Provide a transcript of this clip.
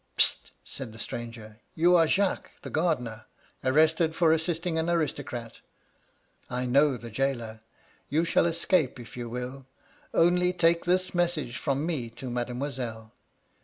"* Hist !' said the stranger. * You are Jacques, the gardener, arrested for assisting an aristocrat I know the gaoler. You shall escape^ if you will. Only take this message from me to Mademoiselle.